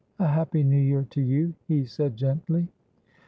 A happy New Year to you !' he said gently.